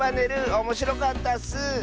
おもしろかったッス！